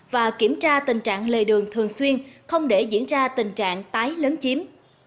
và kiểm tra tình trạng lề đường thường xuyên không để diễn ra tình trạng tái lấn chiếm